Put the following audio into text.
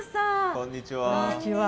こんにちは。